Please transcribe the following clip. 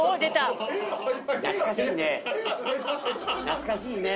懐かしいね。